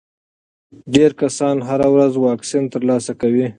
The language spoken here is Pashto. ډېر کسان هره ورځ واکسین ترلاسه کوي.